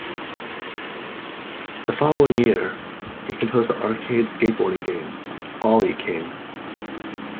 The following year, he composed the arcade skateboarding game "Ollie King".